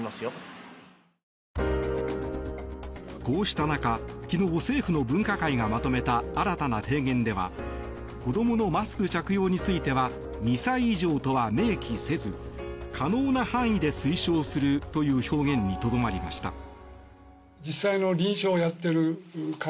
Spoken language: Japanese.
こうした中、昨日政府の分科会がまとめた新たな提言では子供のマスク着用については２歳以上とは明記せず可能な範囲で推奨するという表現にとどまりました。